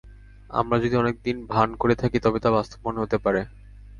আমরা যদি অনেকদিন ভান করে থাকি, তবে তা বাস্তব মনে হতে পারে?